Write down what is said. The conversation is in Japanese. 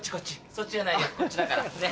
そっちじゃないよこっちだからね？